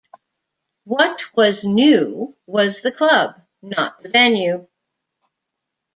What was "new" was the club, not the venue.